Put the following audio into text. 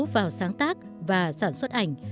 vào sáng tác và sản xuất ảnh